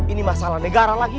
ini masalah negara lagi